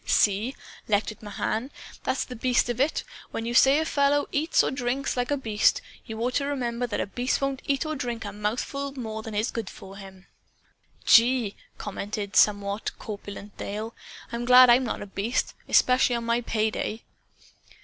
"See?" lectured Mahan. "That's the beast of it! When you say a fellow eats or drinks 'like a beast,' you ought to remember that a beast won't eat or drink a mouthful more than is good for him." "Gee!" commented the somewhat corpulent Dale. "I'm glad I'm not a beast especially on pay day."